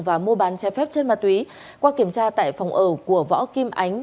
và mua bán trái phép trên ma túy qua kiểm tra tại phòng ở của võ kim ánh